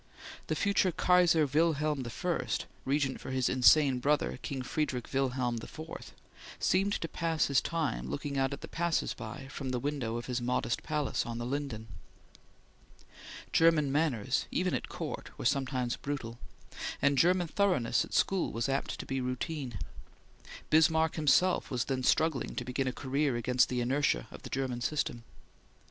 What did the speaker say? The future Kaiser Wilhelm I, regent for his insane brother King Friedrich Wilhelm IV, seemed to pass his time looking at the passers by from the window of his modest palace on the Linden. German manners, even at Court, were sometimes brutal, and German thoroughness at school was apt to be routine. Bismarck himself was then struggling to begin a career against the inertia of the German system.